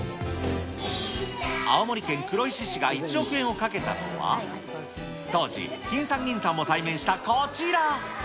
青森県黒石市が１億円をかけたのは、当時、きんさんぎんさんも体験したこちら。